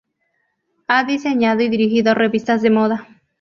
Ha diseñado y dirigido revistas de moda.